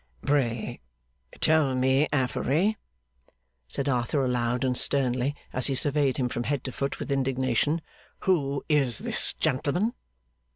'Pray tell me, Affery,' said Arthur aloud and sternly, as he surveyed him from head to foot with indignation; 'who is this gentleman?